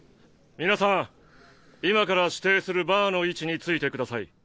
皆さん今から指定するバーの位置に着いてください。